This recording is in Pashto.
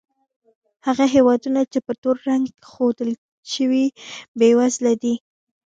هغه هېوادونه چې په تور رنګ ښودل شوي، بېوزله دي.